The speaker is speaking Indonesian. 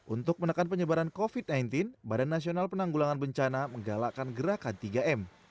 untuk menekan penyebaran covid sembilan belas badan nasional penanggulangan bencana menggalakkan gerakan tiga m